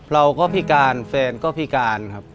เราก็พิการแฟนก็พิการครับ